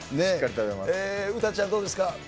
詩ちゃんはどうですか。